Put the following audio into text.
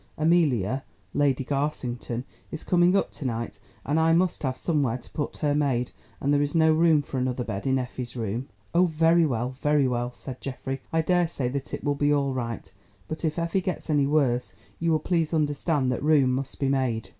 Amelia (Lady Garsington) is coming up to night, and I must have somewhere to put her maid, and there is no room for another bed in Effie's room." "Oh, very well, very well," said Geoffrey, "I daresay that it will be all right, but if Effie gets any worse, you will please understand that room must be made."